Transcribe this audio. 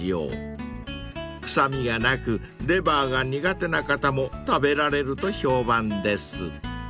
［臭みがなくレバーが苦手な方も食べられると評判です］